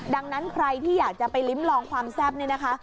ดังนั้นใครที่อยากจะไปลิ้มลองความแซ่บนี่นะคะ